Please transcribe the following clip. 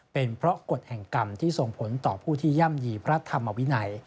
เป็นเพราะกฎแห่งกรรมที่ส่งผลต่อผู้ที่ย่ำยีพระธรรมวินัย